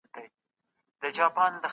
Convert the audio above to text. د کشمکش په وخت کي ستونزي حل کړئ.